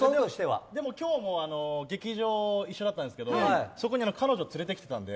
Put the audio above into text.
今日も劇場一緒だったんですけどそこに彼女連れてきてたので。